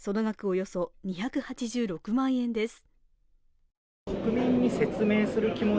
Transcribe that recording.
およそ２８６万円です。